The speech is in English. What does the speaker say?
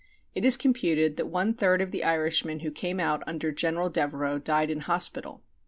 It is computed that one third of the Irish who came out under General Devereux died in hospital.